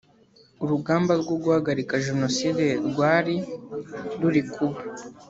urugamba rwo guhagarika jenoside rwari ruri kuba